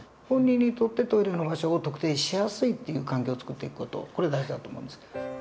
本人にとってトイレの場所を特定しやすいっていう環境を作っていく事これ大事だと思うんです。